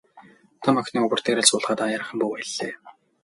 Том охиноо өвөр дээрээ суулгаад аяархан бүүвэйллээ.